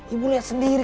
ibu lihat sendiri